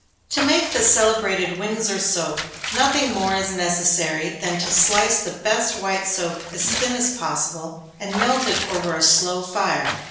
_ To make the celebrated Windsor soap, nothing more is necessary than to slice the best white soap as thin as possible, and melt it over a slow fire.